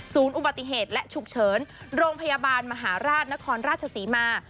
อุบัติเหตุและฉุกเฉินโรงพยาบาลมหาราชนครราชศรีมา